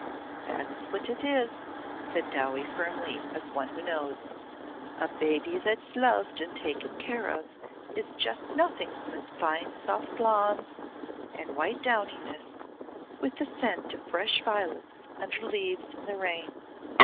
"That's what it is," said Dowie firmly as one who knows. "A baby that's loved and taken care of is just nothing but fine soft lawns and white downiness with the scent of fresh violets under leaves in the rain."